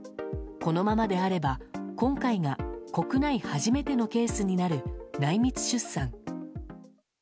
このままであれば今回が国内初めてのケースとなる内密出産。